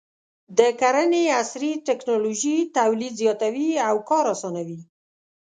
د کرنې عصري ټکنالوژي تولید زیاتوي او کار اسانوي.